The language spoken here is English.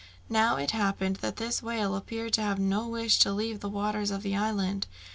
Now it happened that this whale appeared to have no wish to leave the waters of the island.